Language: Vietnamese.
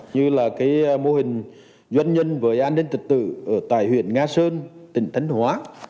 như là cái mô hình doanh nhân với an ninh trật tự ở tại huyện nga sơn tỉnh thánh hóa